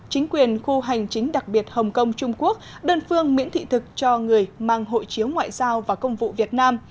chính quyền khu hành chính đặc biệt hồng kông trung quốc đơn phương miễn thị thực cho người mang hộ chiếu ngoại giao và công vụ việt nam